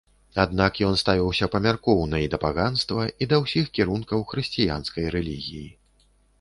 Аднак ён ставіўся памяркоўна і да паганства, і да ўсіх кірункаў хрысціянскай рэлігіі.